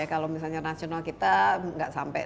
kalau misalnya nasional kita tidak sampai lima dua